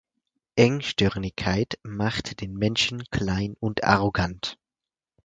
Engstirnigkeit macht den Menschen klein und arrogant.